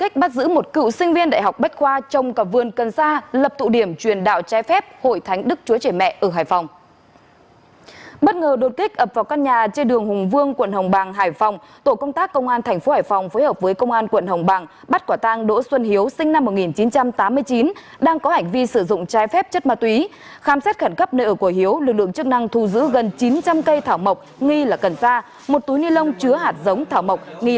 hãy đăng ký kênh để ủng hộ kênh của chúng mình nhé